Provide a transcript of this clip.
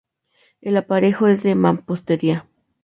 El aparejo es de mampostería.